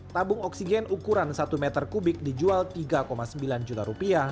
tabung oksigen ukuran satu meter kubik dijual tiga bulan